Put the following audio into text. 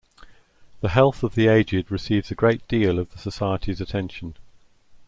The health of the aged receives a great deal of the society's attention.